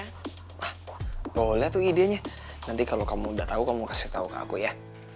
ah boleh tuh idenya nanti kalau kamu udah tahu kamu kasih tahu ke aku ya